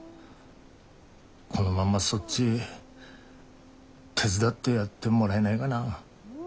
このまんまそっち手伝ってやってもらえないがな。